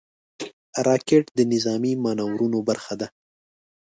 راکټ د نظامي مانورونو برخه ده